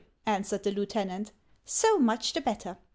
" answered the lieutenant ;" so much the bet ter.